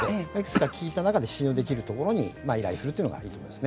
聞いた中で信用できるところに依頼するというのがいいと思いますね。